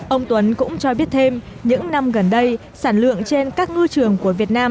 ông tuấn cũng cho biết thêm những năm gần đây sản lượng trên các ngư trường của việt nam